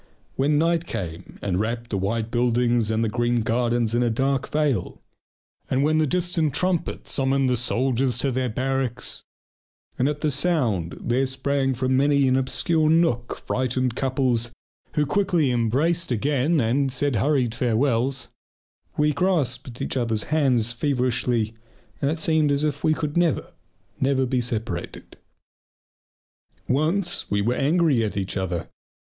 When night came and wrapped the white buildings and the green gardens in a dark veil, and when the distant trumpet summoned the soldiers to their barracks, and at the sound there sprang from many an obscure nook frightened couples who quickly embraced again and said hurried farewells, we grasped each other's hands feverishly, and it seemed as if we could never, never be separated. Once we were angry at each other.